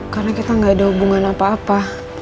karena kita gak ada hubungan apa apa